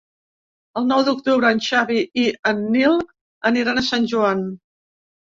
El nou d'octubre en Xavi i en Nil aniran a Sant Joan.